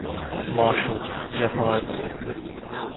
Marshall: Jeff Hines.